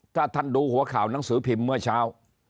ถ้าท่านดูหัวข่าวหนังสือพิมพ์เมื่อเช้า